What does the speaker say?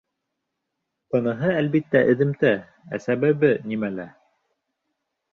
Быныһы, әлбиттә, эҙемтә, ә сәбәбе нимәлә?